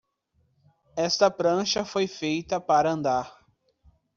Esta prancha foi feita para andar.